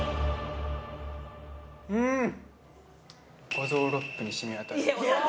うん！